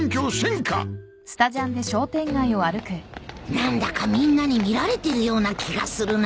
何だかみんなに見られてるような気がするな